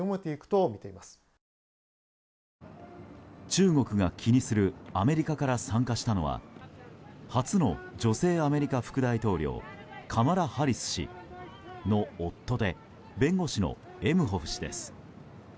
中国が気にするアメリカから参加したのは初の女性アメリカ副大統領カマラ・ハリス氏の夫で弁護士のエムホフ氏です。